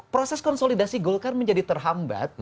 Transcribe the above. proses konsolidasi golkar menjadi terhambat